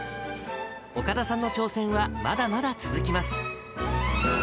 岡田さんの挑戦はまだまだ続きます。